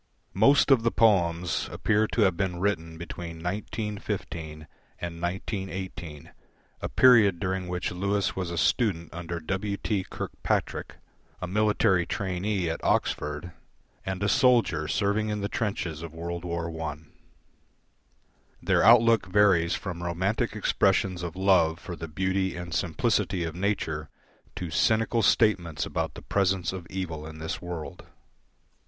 Most of the poems appear to have been written between 1915 and 1918, a period during which Lewis was a student under W. T. Kirkpatrick, a military trainee at Oxford, and a soldier serving in the trenches of World War I. Their outlook varies from Romantic expressions of love for the beauty and simplicity of nature to cynical statements about the presence of evil in this world.